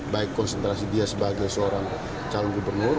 baik konsentrasi dia sebagai seorang calon gubernur